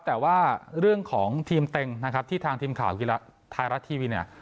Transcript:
แต่ว่าเรื่องของทีมเต็งนะครับที่ทางทีมข่าวกีฬาไทยรัฐทีวีเนี่ย